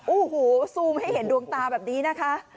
โอ้โหซูมให้เห็นดวงตาแบบนี้นะคะ